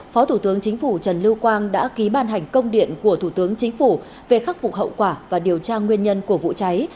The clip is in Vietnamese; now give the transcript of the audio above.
phó thủ tướng chính phủ trần lưu quang đã ký ban hành công điện của thủ tướng chính phủ về khắc phục hậu quả và điều tra nguyên nhân của vụ cháy